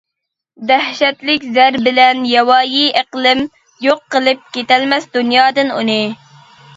دەھشەتلىك زەربىلەر، ياۋايى ئىقلىم، يوق قىلىپ كېتەلمەس دۇنيادىن ئۇنى.